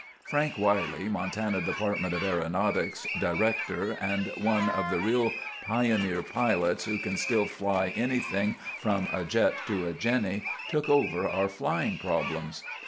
"Frank Wiley, Montana Dept. of Aeronautics director and one of the real pioneer pilots who can still fly anything from a jet to a Jenny, took over our flying problems."